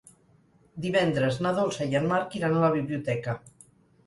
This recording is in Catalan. Divendres na Dolça i en Marc iran a la biblioteca.